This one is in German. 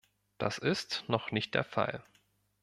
Das ist noch nicht der Fall.